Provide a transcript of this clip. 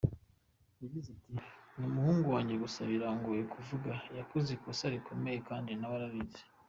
Yagize ati “Ni umuhungu wanjye gusa birangoye kuvuga, yakoze ikosa rikomeye kandi nawe arabizi.